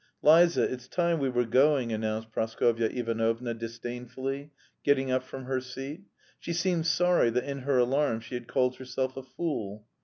"Liza, it's time we were going," announced Praskovya Ivanovna disdainfully, getting up from her seat. She seemed sorry that in her alarm she had called herself a fool.